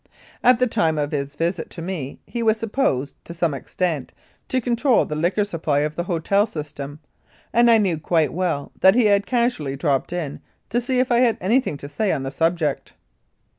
At the time of his visit to me he was supposed, to some extent, to control the liquor supply of the hotel system, and I knew quite well that he had casually dropped in to see if I had anything to say on the subject.